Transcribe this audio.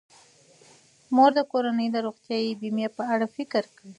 مور د کورنۍ د روغتیايي بیمې په اړه فکر کوي.